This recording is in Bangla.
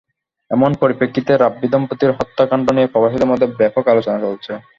এমন পরিপ্রেক্ষিতে রাব্বি দম্পতির হত্যাকাণ্ড নিয়ে প্রবাসীদের মধ্যে ব্যাপক আলোচনা চলছে।